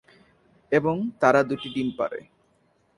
এবং তারা দুটো ডিম পারে।